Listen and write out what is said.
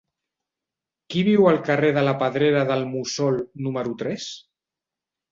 Qui viu al carrer de la Pedrera del Mussol número tres?